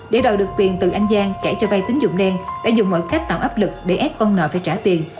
để đòi được tiền từ anh giang kể cho vay tín dụng đen đã dùng mọi cách tạo áp lực để ép ông nợ phải trả tiền